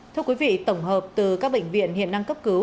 thưa quý vị tổng hợp từ các bệnh viện hiện năng cấp cứu